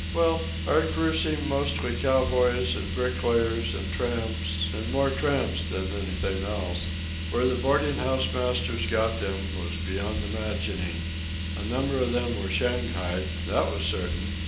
Well, our crew seemed mostly cow boys, and bricklayers, and tramps, and more tramps than anything else. Where the boarding house masters got them was beyond imagining. A number of them were shanghaied, that was certain.